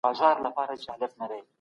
د خلګو کرامت باید نه سپکېږي.